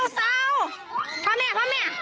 สาวแม่